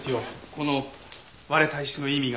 この割れた石の意味が。